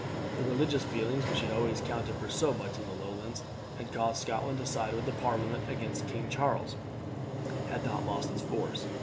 The religious feeling, which had always counted for so much in the Lowlands, and had caused Scotland to side with the Parliament against King Charles, had not lost its force.